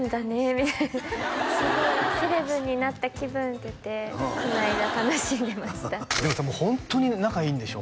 みたいな「すごいセレブになった気分」って言ってこの間楽しんでましたでもさホントに仲いいんでしょ？